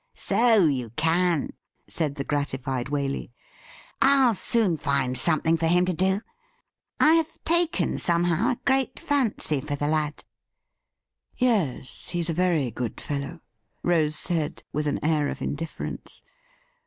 ' So you can,' said the gratified Waley. ' I'll soon find something for him to do. I have taken, somehow, a great fancy for the lad.' ' Yes ; he's a very good fellow,' Rose said, with an air of indifference.